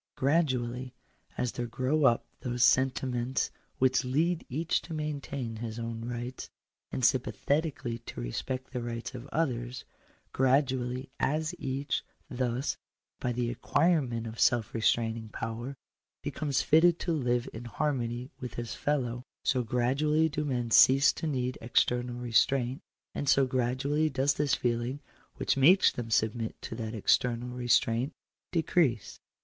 Gradually, as there grow up those sentiments which lead each to maintain his own rights, and sympathetically to respect the rights of others — gradually ; as each, thus, by the acquirement of self restraining power, be comes fitted to live in harmony with his fellow — so gradually do men cease to need external restraint, and so gradually does this feeling which makes them submit to that external restraint decrease.